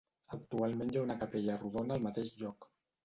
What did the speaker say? Actualment hi ha una capella rodona al mateix lloc.